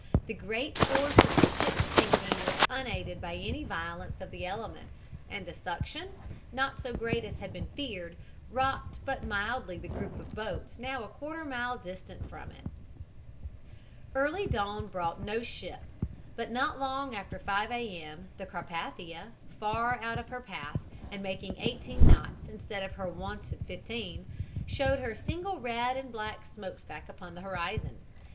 The great force of the ship's sinking was unaided by any violence of the elements, and the suction, not so great as had been feared, rocked but mildly the group of boats now a quarter of a mile distant from it. "Early dawn brought no ship, but not long after 5 A. M. the Carpathia, far out of her path and making eighteen knots, instead of her wonted fifteen, showed her single red and black smokestack upon the horizon.